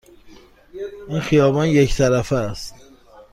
این خیابان یک طرفه است.